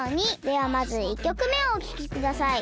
ではまず１きょくめをおききください。